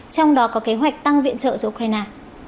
trong đó có kế hoạch tăng viện trợ cho ukraine